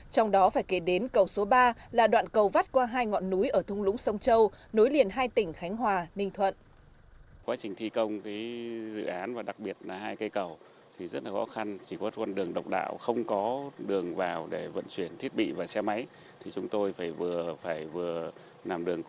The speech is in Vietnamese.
trong đó phải kể đến cầu số ba là đoạn cầu vắt qua hai ngọn núi ở thung lũng sông châu nối liền hai tỉnh khánh hòa ninh thuận